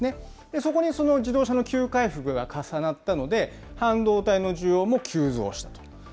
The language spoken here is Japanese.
そこにその自動車の急回復が重なったので、半導体の需要も急増したと。